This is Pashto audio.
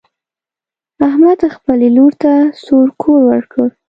احمد خپلې لور ته سور کور ورکړ.